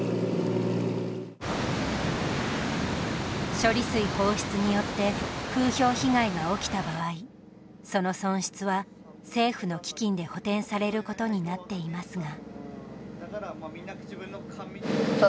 処理水放出によって風評被害が起きた場合その損失は政府の基金で補てんされることになっていますが。